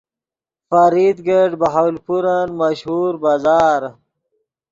فرید گیٹ بہاولپورن مشہور بازار